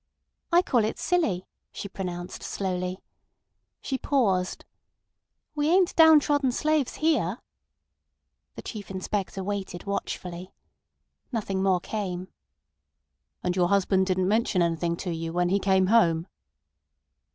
"I call it silly," she pronounced slowly. She paused. "We ain't downtrodden slaves here." The Chief Inspector waited watchfully. Nothing more came. "And your husband didn't mention anything to you when he came home?"